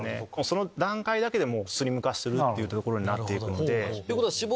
その段階だけでスリム化するってところになっていくんで。